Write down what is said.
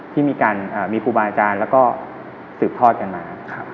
ที่มีการมีครูบาอาจารย์แล้วก็สืบทอดกันมา